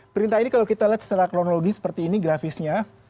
perintah ini kalau kita lihat secara kronologi seperti ini grafisnya